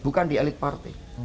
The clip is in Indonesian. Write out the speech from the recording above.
bukan di elite party